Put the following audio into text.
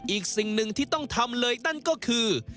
อีกสิ่งหนึ่งที่ต้องทำเลยนั่นก็คือ